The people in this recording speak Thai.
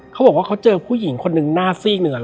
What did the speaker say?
เขาบอกว่าเขาเจอผู้หญิงคนหนึ่งหน้าซีกเหนือ